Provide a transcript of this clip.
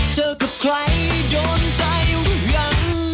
เจอกับใครโดนใจหวัง